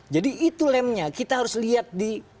jadi itu lemnya kita harus lihat di